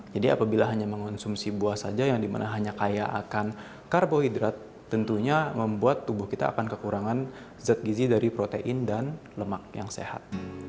jadi apabila hanya mengonsumsi buah saja yang dimana hanya kaya akan karbohidrat tentunya membuat tubuh kita akan kekurangan zat gizi dari protein dan lemak yang sehat